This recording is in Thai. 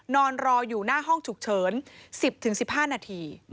นอนรออยู่หน้าห้องฉุกเฉิน๑๐๑๕นาที